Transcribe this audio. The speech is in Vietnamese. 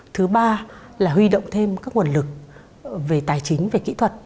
thứ ba là huy động thêm các nguồn lực về tài chính về kỹ thuật